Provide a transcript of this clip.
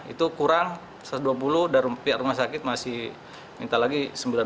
itu kurang satu ratus dua puluh dan pihak rumah sakit masih minta lagi sembilan puluh